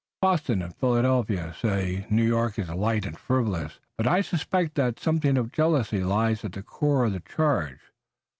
Boston and Philadelphia say New York is light and frivolous, but I suspect that something of jealousy lies at the core of the charge.